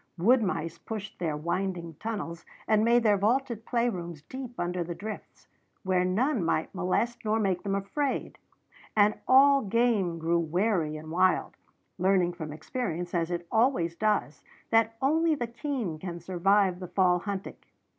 Wood mice pushed their winding tunnels and made their vaulted play rooms deep under the drifts, where none might molest nor make them afraid; and all game grew wary and wild, learning from experience, as it always does, that only the keen can survive the fall hunting.